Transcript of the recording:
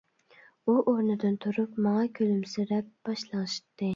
ئۇ ئورنىدىن تۇرۇپ ماڭا كۈلۈمسىرەپ باش لىڭشىتتى.